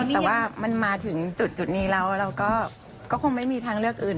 แต่ว่ามันมาถึงจุดนี้แล้วเราก็คงไม่มีทางเลือกอื่น